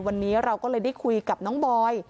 วันนี้เราก็เลยได้คุยกับน้องบอย